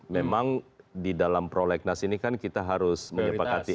memang di dalam prolegnas ini kan kita harus menyepakati